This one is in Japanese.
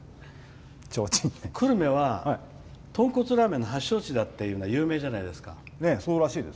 久留米はとんこつラーメンの発祥地だっていうのは有名じゃないですか。